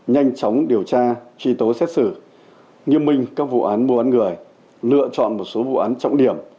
nhanh chóng điều tra truy tố xét xử nghiêm minh các vụ án mua bán người lựa chọn một số vụ án trọng điểm